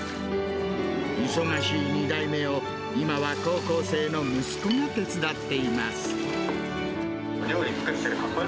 忙しい２代目を今は高校生の息子が手伝っています。